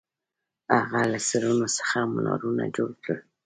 هغه له سرونو څخه منارونه جوړ کړل.